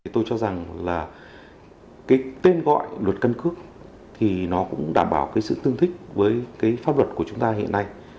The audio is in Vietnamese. tôi cho rằng là cái tên gọi luật căn cước thì nó cũng đảm bảo cái sự tương thích với cái pháp luật của chúng ta hiện nay